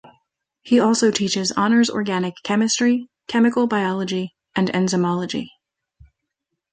He also teaches Honors Organic Chemistry, Chemical Biology and Enzymology.